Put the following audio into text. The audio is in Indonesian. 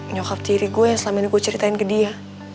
nyokap tiri gue yang selama ini gue ceritain ke dia